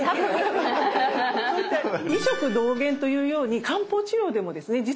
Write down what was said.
そういった「医食同源」というように漢方治療でもですね実はですね